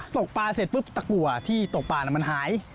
ตกปลาเสร็จปุ๊บตะกัวที่ตกปลามันหาย